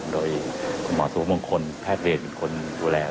โดยหมออาทิวอบงคลแพทย์เรนท์คนดูแล